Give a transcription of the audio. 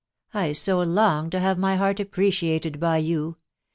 . I so long to hate my heart appreciated by you